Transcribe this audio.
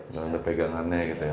dan ada pegangannya gitu ya